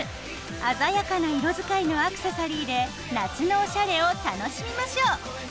鮮やかな色づかいのアクセサリーで夏のおしゃれを楽しみましょう。